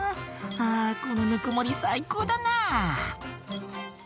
「あこのぬくもり最高だな」